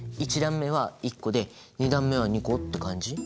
１段目は１個で２段目は２個って感じ？